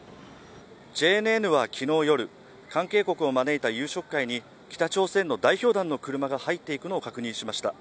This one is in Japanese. ＪＮＮは昨日夜関係国を招いた夕食会に北朝鮮の代表団の車が入っていくのを確認しました。